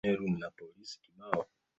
tabia za watu hao haziwezi kuwa za kishujaa